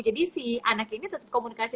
jadi si anak ini tetap komunikasi